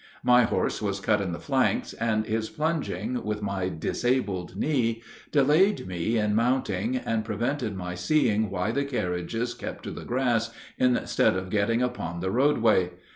My horse was cut on the flanks, and his plunging, with my disabled knee, delayed me in mounting, and prevented my seeing why the carriages kept to the grass instead of getting upon the roadway.